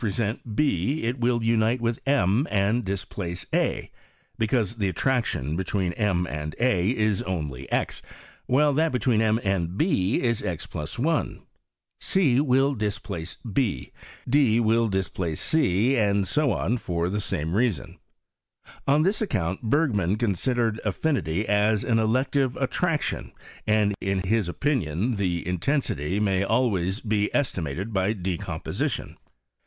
159 H will unite with m and displace a, because the attraction between m and a is only x, while that between m & b is x+1 : c will displace b ; d will displace c, and ao on, for the same reason. On this account Bergman considered affinity as an elective Utlraction, and iik his opinion the intensity may al irays be estimated by decomposition.